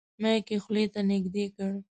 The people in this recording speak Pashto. مایک یې خولې ته نږدې کړ.